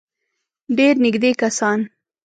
ډېر نېږدې کسان.